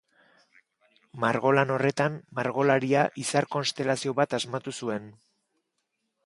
Margolan horretan, margolaria izar konstelazio bat asmatu zuen.